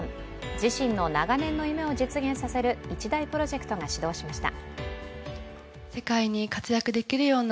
自身の長年の夢を実現させる一大プロジェクトが始動しました。